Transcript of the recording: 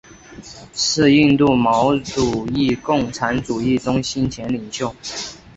是印度毛主义共产主义中心前领袖。